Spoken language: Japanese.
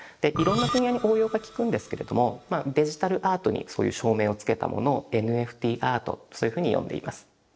いろんな分野に応用が利くんですけれどもデジタルアートにそういう証明をつけたものをＮＦＴアートそういうふうに呼んでいます。